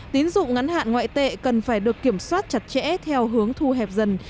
tín dụng ngắn hạn ngoại tệ cần phải được kiểm soát chặt chẽ theo hướng thu hẹp dần